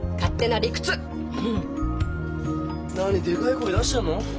何でかい声出してるの？